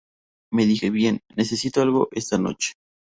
Me dije: "Bien, necesito algo esta noche".